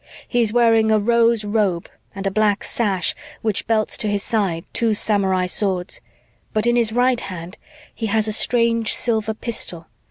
He's wearing a rose robe and a black sash which belts to his sides two samurai swords, but in his right hand he has a strange silver pistol.